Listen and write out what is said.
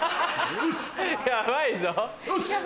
よし！